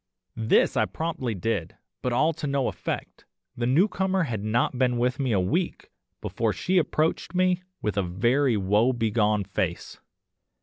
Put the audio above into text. "This I promptly did, but all to no effect. The newcomer had not been with me a week before she approached me with a very woe begone face.